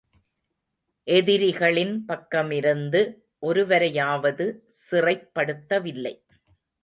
எதிரிகளின் பக்கமிருந்து, ஒருவரையாவது சிறைப் படுத்தவில்லை.